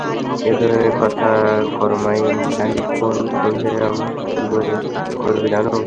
এ ধরনের কথা Carmine Falcone শুনলে আমাকে ও কী করবে জানো?